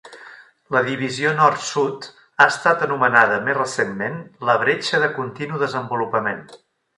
La divisió nord-sud ha estat anomenada més recentment la bretxa de continu desenvolupament.